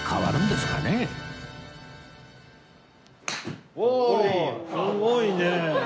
すごいね！